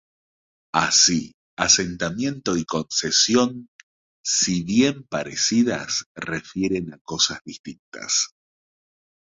Así, "asentamiento" y "concesión", si bien parecidas, refieren cosas distintas.